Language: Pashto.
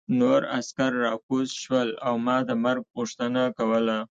نور عسکر راکوز شول او ما د مرګ غوښتنه کوله